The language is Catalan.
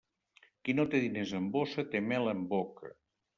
Qui no té diners en bossa té mel en boca.